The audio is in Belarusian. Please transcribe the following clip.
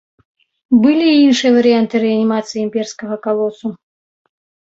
Былі і іншыя варыянты рэанімацыі імперскага калосу.